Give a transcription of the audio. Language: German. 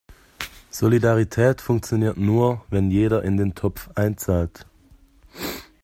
Solidarität funktioniert nur, wenn jeder in den Topf einzahlt.